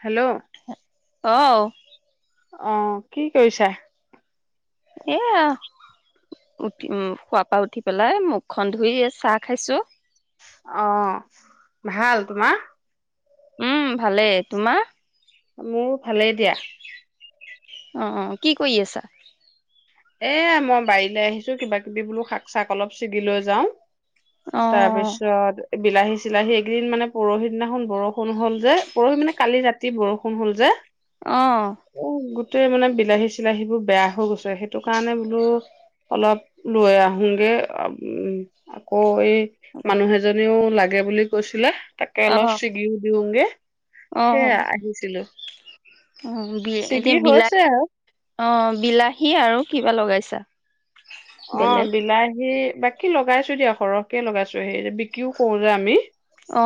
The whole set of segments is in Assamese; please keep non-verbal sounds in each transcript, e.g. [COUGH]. হেল্ল' অ'। অ', কি কৰিছা? এইয়া উঠি, উম, শুৱাৰ পৰা উঠি পেলাই মুখখন ধুই, এ, চাহ খাইছোঁ। অহ, ভাল তোমাৰ? উম, ভালে তোমাৰ? মোৰ ভালেই দিয়া। অহ, অহ, কি কৰি আছা? এয়া মই বাৰীলৈ আহিছো কিবা কিবি বোলো শাক চাক অলপ ছিগি লৈ যাওঁ। অ তাৰপিছত বিলাহী চিলাহী এইকেইদিন মানে পৰহি দিনাখন বৰষুণ হ'ল যে পৰহি মানে কালি ৰাতি বৰষুণ হ'ল যে। অ উহ, গোট মানে বিলাহী চিলাহী বোৰ বেয়া হৈ গৈছে সেই সেইটো কাৰণে বোলো অলপ লৈ আহোগে উম, আকৌ এই মানুহ এজনেও লাগে বুলি কৈছিলে। তাকে অ অলপ ছিগিও দিওঁগে। সেয়া আহিছিলো। অহ, বি ছিগি এতিয়া বিলাহী হৈছে অ', বিলাহী আৰু কিবা লগাইছা। অ', বেলেগ বিলাহী বাক কি লগাইছো দিয়া সৰহকে লগাইছো সেই বিক্ৰীও কৰোঁ যে আমি। অ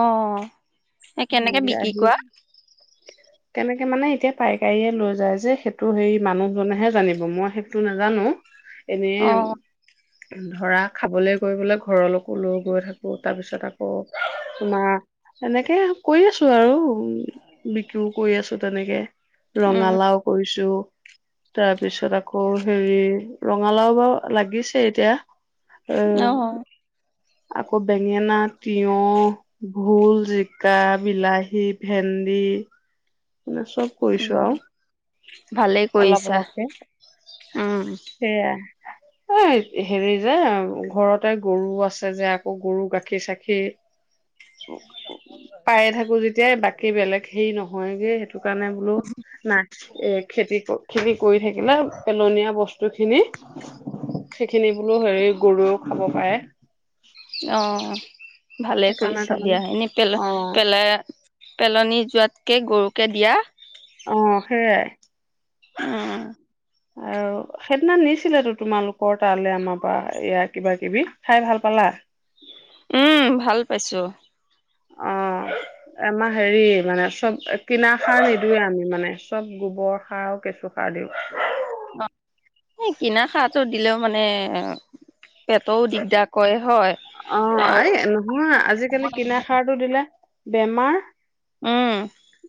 এ কেনেকে বিক্ৰী বিলাহী কৰা? কেনেকে মানে এতিয়া পাইকাৰীয়ে লৈ যায় যে সেইটো হেৰি মানুহজনেহে জানিব মই সেইটো নাজানো। এনেই অ ধৰা খাবলৈ গৈ বোলে ঘৰলৈকো লৈ গৈ থাকো তাৰ পিছত আকৌ তোমাৰ এনেকে কৰি আছো আৰু উম। বিক্ৰীও কৰি আছো তেনেকে। উম ৰঙালাও কৰিছো। তাৰপিছত আকৌ হেৰি ৰঙালাও বাৰু লাগিছে এতিয়া। অ উম। আকৌ বেঙেনা, তিয়হ, ভোল, জিকা, বিলাহী, ভেন্দি মানে চব কৰিছো উম আৰু ভালে অলপ কৰিছা অলপকে উম সেয়া এ হেৰি যে ঘৰতে গৰু আছে যে আকৌ গৰু গাখীৰ চাখি পায়ে থাকো যেতিয়াই বাকী সে বেলেগ সেই ন' হয়গে সেইটো ইটো কাৰণে বোলো নাই এ খেতি, খেতি কৰি থাকিলে পেলনীয়া বস্তু খিনি সেইখিনি বোলো হেৰি গৰুও খাব পাৰে। অ'। ভালে সেইকাৰণে কৰিছা দিয়া তাৰমানে এনেই অ পেল-পেলাই পেলনি যোৱাত তকে গৰুকে দিয়া। অ', সেইয়াই। উম। আৰু সেইদিনা নিছিলেতো তোমালোকৰ তালৈ আমাৰ পৰা এয়া কিবা কিবি, খাই ভাল পালা? পইছোঁ। অ', আমা হেৰি মানে চব কিনাাৰ সাৰ নিদওঁৱে আমি মানে চব গোবৰ সাৰ আৰু কেঁচুসাৰ দিওঁ। অ', এই কিনা খাৰটো দিলেও মানে পেটও দিগদাৰ কৰে হয়। অ', আৰু এই নহয় আজিকালি কিনা খাৰটো দিলে বেমাৰ উম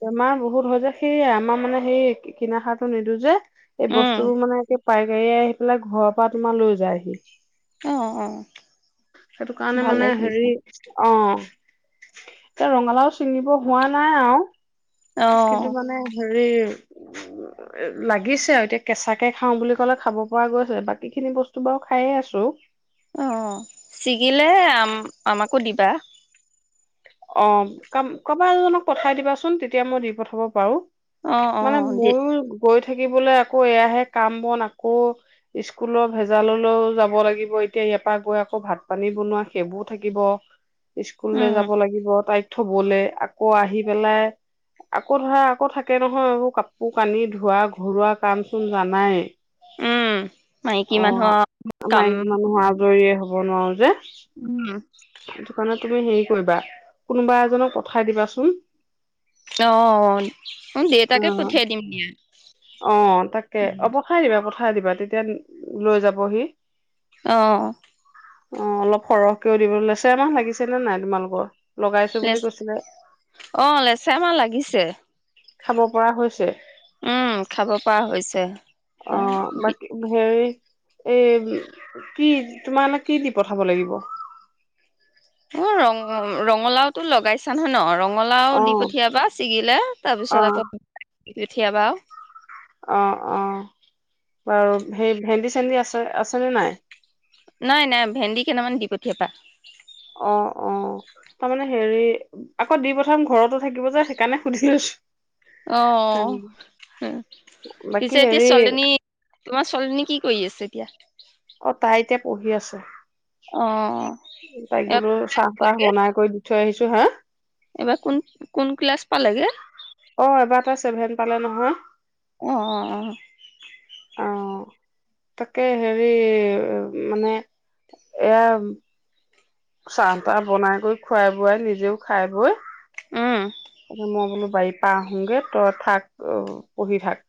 বেমাৰ বহুত ঘৰ যে সেই আমাৰ মানে সেই কিনা সাৰটো নিদো যে এই উম বস্তুৰ মানে পাইকাৰীয়ে আহি পেলাই ঘৰৰ পৰা তোমাৰ লৈ যায়হি। অ', অ'। সেইটো কাৰণে ভালে মানে হেৰি কৰিছা অ'। এতিয়া ৰঙালাও ছিঙিব হোৱা নাই আও। অ কিন্তু মানে হেৰি উম, লাগিছে আৰু এতিয়া কেঁচাকে খাওঁ বুলি ক'লে খাব পৰা গৈছে বাকী খিনি বস্তু বাৰু খায়ে আছো। অ ছিগিলে আম আমাকো দিবা। অ', কম ক'বা এজনক পঠাই দিবাচোন তেতিয়া মই দি পঠাব পাৰোঁ। অ অ মানে দি মোৰ গৈ থ থাকিবলৈ আকৌ এয়াহে কাম-বন আকৌ স্কুলৰ ভেজাললৈও যাব লাগিব এতিয়া ইয়াৰ পৰা গৈ আকৌ ভাত পানী বনোৱা সেইবোৰ থাকিব। স্কুললৈ উম যাব লাগিব। তাইক থ'বলে আকৌ আহি পেলাই আকৌ ধৰা আকৌ থাকে নহয় এইবোৰ কাপোৰ কানি ধোৱা ঘৰুা কাম চোন জানাই। উম, অ' মাইকী মানুহৰ কাম মাইকী মানুহ আজৰিয়ে যে উম দোকানত তুমি হেৰি কৰিবা কোনোবা এজনক পঠাই দিবাচোন। অ', ম দেউতাকে অ' পঠিয়াই দিম দিয়া। উঠাই দিবা তেতিয়া লৈ যাবহি। অহ। অ', অলপ সৰহকে [UNINTELLIGIBLE] মাহ লাগিছে নে নাই তোমালোকৰ? লগাইছো বুলি লেচ কৈছিলে অ', লেচেৰা আমাৰ লাগিছে। খাব পৰা হৈছে। উম, খাব পৰা হৈছে। এ অ', বি বাকী হেৰি এ কি তোমাৰে কি দি পঠাব লাগিব? মই ৰং ৰঙালাওটো লগাইছা নহয় ন' ৰঙ ঙালাও দি অ' পঠিয়াবা ছিগিলে তাৰপিছত অ' আকৌ উঠিয়াবা অ', অ', বাৰু সেই ভেন্দি চেন্দি আছে আছেনে নাই? নাই, নাই ভেন্দি কেইটামান দি পঠিয়াবা। অ', অ', তাৰমানে হেৰি আকৌ দি পঠাম ঘৰতো থাকিব যে সেইকাৰণে সুধিলৈছো। অহ, বাকী পিছে এতিয়া হেৰি ছোৱালনী তোমাৰ ছোৱালজনী কি কৰি আছে এতিয়া? অ', তাই এতিয়া পঢ়ি আছে। অ তাইক বোলো চাহ তাহ বনাই কৰি দি থৈ আহিছো। হা এইবাৰ কোন কোন ক্লাছ পালেগে? অ', এইবাৰ এটা চছেভেন পালে নহয়। অ', অ', অ'। অ'। তাকে হেৰি মানে এয়া চাহ তাহ বনাই কৰি খুৱাই বোৱাই নিজেও খাই বৈ উম। বাৰি পা আহোগে তই থাক পঢ়ি থাক।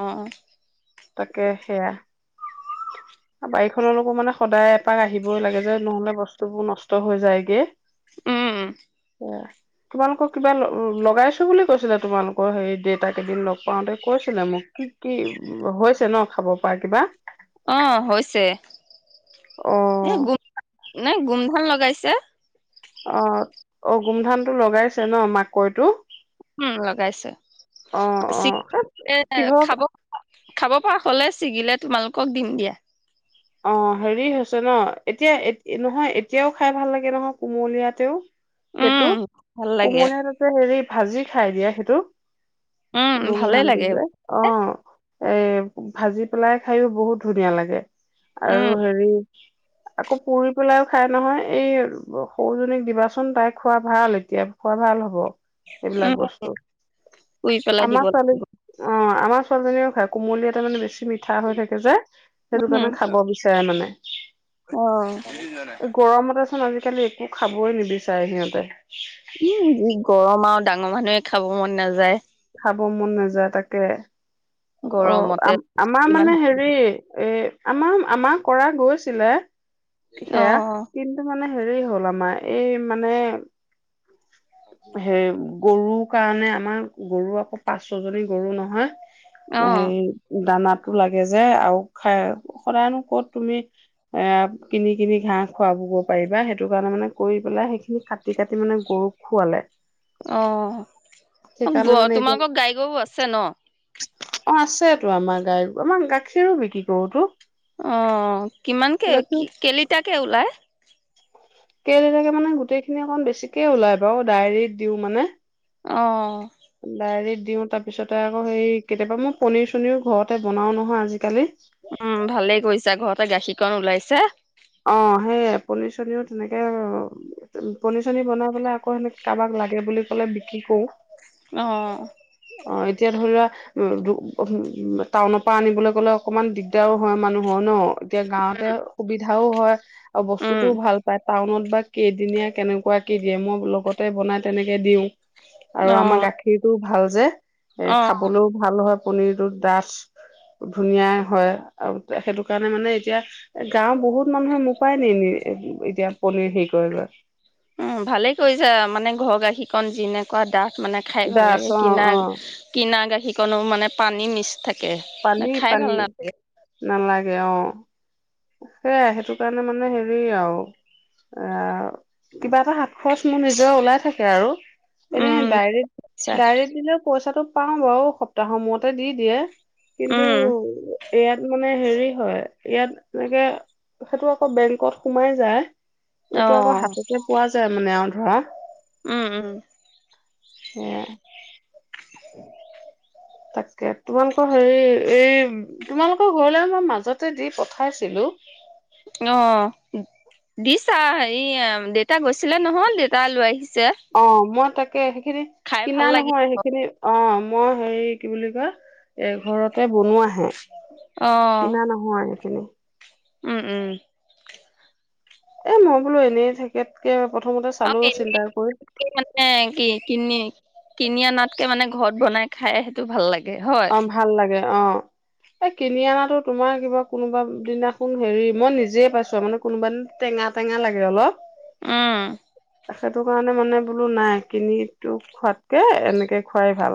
অ'। তাকে সেয়া বাৰীখনৰকো মানে সদায় এপাক আহিবই লাগে যে নহ'লে বস্তুবোৰ নষ্ট হৈ যায়গে। উম। তোমালোকৰ কিবা লগাইছো বুলি কৈছিলে তোমালোকৰ হে দেতা কেইদিন লগ পাওঁতে কৈছিলে মোক কি কি হৈছে ন'? খাব পাৰ কিবা অহ, হৈছে। অ গুম নাই গোমধান লগা গাইছে। অ', অ', গোমধানতো লগাইছে ন' মাকৈটো? উম, লগাইছে, অ অ চিক এ কিহৰ খাব। খাব পৰা হ'লে ছিগিলে তোমালোকক দিম দিয়া। অ', হেৰি হৈছে ন' এতিয়া এতিয়া নহয় এতিয়াওঁ খাই ভাল লাগে নহয় কুমলীয়াতেওঁ। উম, সেইটো ভাল লাগে। কুমলিয়াততে হেৰি ভাজি খাই দিয়া সেইটো। উম, ভালেই গোমধানটো লাগে। যে, অ'। এ ভাজি পেলাই খাইওঁ বহুত ধুনীয়া লাগে। উম, আৰু হেৰি আকৌ পুৰি পেলাইওঁ খাই নহয় এই সৰুজনীক দিবাচোন, তাই খোৱা ভাল, এতিয়া খোৱা ভাল হ'ব। এইবিলাক উম, বস্তু, পুৰি পেলাই দিব আমাৰ লাগে। ছোৱালী, অ', আমাৰ ছোৱালীজনীও খাই, কোমলীয়াতে মানে বেছি মিঠা হৈ থাকে যে। সেইটো উম, কাৰণে খাব বিচাৰে মানে। অ'। আজি কালি একো খাবই নিবিচাৰে সিহঁতে। উম, গৰম আৰু দাঙ ডাঙৰ মানুহে খাব মন নাযায়। খাব মন নাযায় তাকে। অ', গৰমতে আ, আমাৰ ইমান মানে হেৰি এ আমাৰ আমাৰ কৰা গৈছিলে। সেয়া অ', কিন্তু মানে হেৰি হ'ল আমাৰ এই মানে হেৰি গৰু কাৰণে আমাৰ গৰু আকৌ পাঁচ-ছজনী গৰু নহয়। অ', এই দানাত তো লাগে যে আৰু খাইসদায়নো ক'ত তুমি এ কিনি কিনি ঘাহ খুৱাব গৰুক পাৰিবা, সেইটো কাৰণে মানে কৰি পেলাই সেইখিনি কাটি কাটি মানে। গৰুক খোৱালে। অ', সেইকাৰণে গ মানে এতিয়া তোমালোকৰ গাই গৰু আছে ন'? অ', আছে তো আমাৰ গাই, আমাৰ গাখীৰো বিক্ৰী কৰোতো। অ', কিমানকে গাখীৰ কেইলিটাৰকে ওলাই? কেইলিটাৰকে মানে গোটেইখিনি অকণ বেছিকে ওলাই বাৰু ডায়েৰিত দিওঁ মানে। অ'। ডায়েৰিত দিওঁ তাৰপিছতে আকৌ হেই কেতিয়াবা মই পনীৰ চনীৰ ঘৰতে বনাওঁ নহয় আজিকালি। উম, ভালে কৰিছা ঘৰত। টা গাখীৰকণ ওলাইছে। অ সেইে পনী চনীও তেনেকে পনী চনী বনাই পাই আকৌ সেনেকে কাৰোবাক লাগে বুলি কলে বিক্ৰী কৰো। অ'হ। অ এতিয়া ধৰি লোৱা উ টাউনৰ পৰা আনিবলৈ গ'লে অকমান দিগদাৰো হয় মানুহৰ ন। এতিয়া গাঁৱতে সুবিধা। খাবও হয়। অ উম, বস্তুতটোও ভাল পায় টাউনত। বা কেইদিনীয়া কেনেকুৱা কেইদিয়ে মই লগতে বনাই তেনেকে দিও। আৰু আমাৰ অ', গাখীৰতটো। ভাল যে। এ অ'। খাবলৈও ভাল হয়। পনিৰটো ডাঠ ধুনীয়া হয় আৰু সেইটো কাৰণে মানে এতিয়া গাঁওৰ বহুত মানুহে মোপায় নি নি এতিয়া পনিৰ হেৰি কৰে লৈ উম ভালে কৰিছা মানে ঘৰ গাখীৰকন যেনেকুৱা দাঠ। মানে খাই ভাল দাচ লাগে অ কিনা অ কিনা গাখীৰকণো মানে। পানী মিশ্ৰ। পানি পানি নালাগে অ। সেইয়াই সেইটো কাৰণে মানে হেৰি আৰু এ কিবা এটা হাত খৰচ মোৰ নিজে ওলাই থাকে আৰু। এনে উম আচ্ছা ডাইৰেক্ট ডাইৰেক্ট দিলে পইচাটো। পাওঁ বাৰু সপ্তাহৰ মূতে দি দিয়ে। কিন্তু। উম ইয়াত মানে হেৰি হয় ইয়াত। এনেকে সেইটো আকৌ বেংকত সোমাই যায়। অ এইটো আকৌ হাততে পোৱা যায় মানে। হা। উম, উম সে তাকে তোমালোকৰ হেৰি এই তোমালোকৰ ঘৰলে মই মাজতে দি। উঠাইছিলো। অ দিছা হেৰি দেউতা গৈছিলে নহ দেউতা লৈ আহিছে। অ মই তাক। কে। সেইখিনি খাই ভাল কিনা লাগিল নহয় সেইখিনি অ। মই হেৰি কি বুলি কয় এঘৰতে বনোৱা আহে। অ কিনা নহয়। হো [UNINTELLIGIBLE] উম, উম। এ মই বোলো এনেই থাককে। আৰু কে মানে কি কিনি কিনি আনাতকে মানে ঘৰত বনাই খাই সেইটো ভাল লাগে। হয় অ ভাল লাগে অ। এই কিনি অনাাতো তোমাৰ কিবা কোনোবা দিনাখন হেৰি মই নিজে পাইছো আৰু মানে কোনোবা দিনা টেঙা টেঙা লাগে অলপ। আহ। সেইটো কাৰণে মানে বোলো নাই কিনি তোক খোৱাতকে এনেকে খুৱাই ভাল।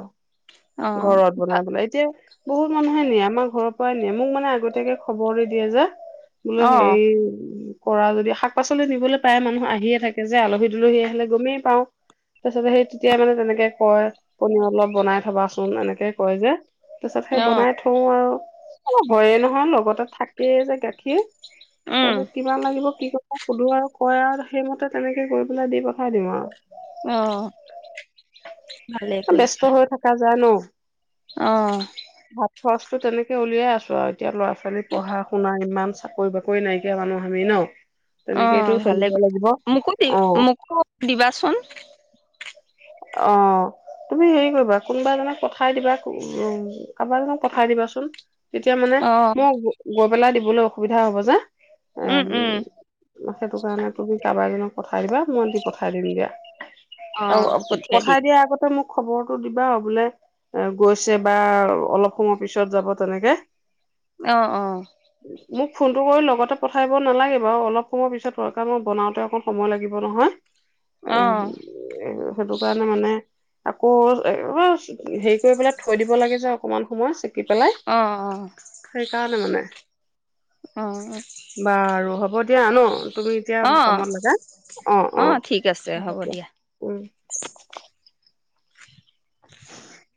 অ ঘৰত বনাই পেলে এতিয়া বহুত মানুহে নিয়ে আমাৰ ঘৰৰ পৰাই মোক মানে আগতীয়াকে খবৰ দিয় যে বোলে অ হেৰি কৰা যদি শাক পাচলি নিবলৈ প্ৰায় মানুহ আহিয়ে থাকে যে আলহী তুলহী আহিলে গমেই পাওঁ তাৰ পাছতে সেই তেতিয়াই মানে তেনেকে কয় পনীৰ অলপ বনাই থবা চোন। চোন এনেকে কয় যে। তাৰিছত সেই অ বনাই থওঁ আৰু অ হয়ে নহয় লগ ত থাকেই যে গাখীৰ। উম তাৰপিছত কিমান লাগিব কি ক। সুধো আৰু কয় আৰু সেইমতে তেনেকে কৰি পেলাই দি পঠাই দিওঁ আৰু আহ ভালে কৰিছা। জানো আহ। ত তেনেকে উলিয়াই আছো আৰু এতিয়া ল'ৰা ছোৱালী পঢ়া শুনা ইমান। চাকৰি বাকৰি নাইকিয়া মানুহ আমি ন? অ তেনেকেইতো ভালে চলিব কথা লাগিব মোকো দি অ মোকো দিবাচোন। অ তুমি হেৰি কৰিবা। কোনোবা এক পঠাই দিবা উ কাৰোবাৰ এজনক পঠাই দিবাচোন। তেতিয়া মানে অ', মোক গৈ পেলাই দিব। লৈ অসুবিধা হব যে। এ উম, উম, সেইটো কাৰণে তুমি কাৰোবাৰ এজনক পঠাই দিবা মই দি পঠাই দিম দিয়া। অ', আৰু পঠিয়াই পঠাই দিম দিয়া আগতে মোক খবৰটো দিবা আৰু বোলে এ গৈছে বা অলপ সময় পিছত যাব তেনেকে। আহ আহ। মোক ফোনটো কৰি লগতে পঠাইব নালাগে বাৰু অলপ সময় পিছত হয় কাৰণ মই বনাওতে অকণ সময় লাগিব নহয়। এ অ', সেইটো কাৰণে মানে আকৌ [UNINTELLIGIBLE] হেৰি কৰিব পেলাই থৈ দিব লাগে যে অকমান সময়। পেলাই অ', সেইকাৰণে মানে অ', অ', বাৰু হ'ব দিয়া ন' তুমি এতিয়া অ', কামত লগা অ', অ', হ'ব দিয়া উম। [INAUDIBLE]